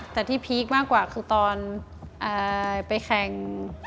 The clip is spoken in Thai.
แต่ที่พีคมากกว่าคือตอนไปแข่ง